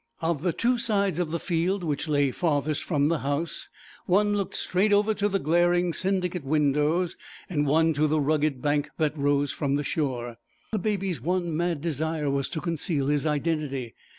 Of the two sides of the field which lay farthest from the house, one looked straight over to the glaring Syndicate windows, and one to the rugged bank that rose from the shore. The Baby's one mad desire was to conceal his identity.